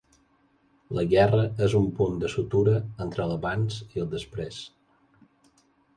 La guerra és un punt de sutura entre l'abans i el després.